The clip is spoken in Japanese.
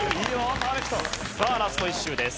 さあラスト１周です。